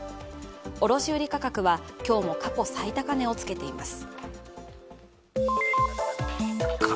卸売価格は今日も過去最高値をつけています。